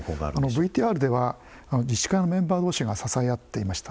ＶＴＲでは自治会のメンバー同士が支え合っていました。